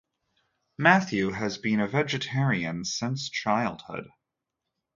Matthew has been a vegetarian since childhood.